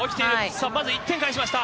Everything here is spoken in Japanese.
さあ、まず１点返しました。